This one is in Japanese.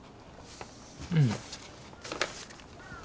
うん。